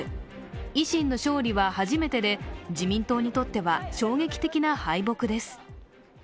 維新の勝利は初めてで自民党にとっては衝撃的な敗北です。